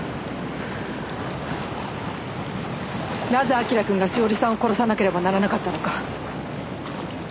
なぜ明君が詩織さんを殺さなければならなかったのか。